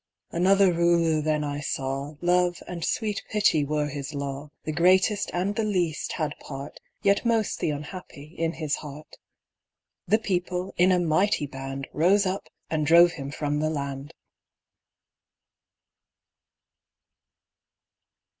Another Ruler then I saw Love and sweet Pity were his law: The greatest and the least had part (Yet most the unhappy) in his heart The People, in a mighty band, Rose up, and drove him from the land!